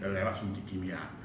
lewat suntik kimia